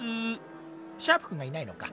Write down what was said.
シャープくんがいないのか。